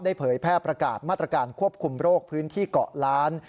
เผยแพร่ประกาศมาตรการควบคุมโรคพื้นที่เกาะล้าน